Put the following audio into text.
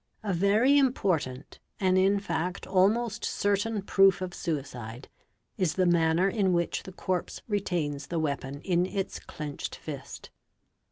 A very important and in fact almost certain proof of suicide is the manner in which the corpse retains the weapon in its clenched fist.